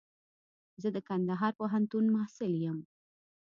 زه د کندهار پوهنتون محصل يم.